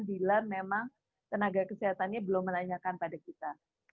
bila memang tenaga kesehatannya belum menanyakan pada kita